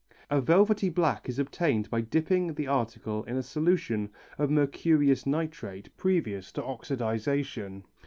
A velvety black is obtained by dipping the article into a solution of mercurous nitrate previous to oxidization.